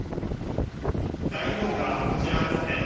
材料がこちらですね。